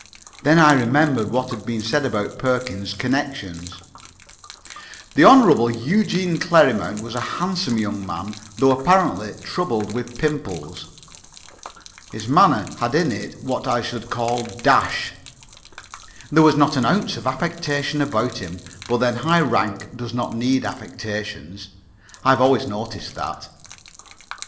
Then I remembered what had been said about Perkins's connections. The Hon. Eugene Clerrimount was a handsome young man, though apparently troubled with pimples. His manner had in it what I should call dash. There was not an ounce of affectation about him; but then high rank does not need affectations I have always noticed that.